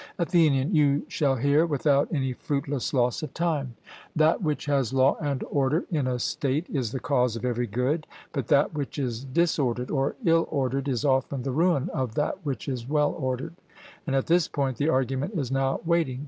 ATHENIAN: You shall hear without any fruitless loss of time. That which has law and order in a state is the cause of every good, but that which is disordered or ill ordered is often the ruin of that which is well ordered; and at this point the argument is now waiting.